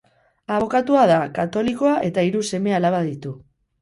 Abokatua da, katolikoa, eta hiru seme-alaba ditu.